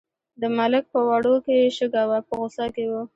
د ملک په وړو کې شګه وه په غوسه کې و.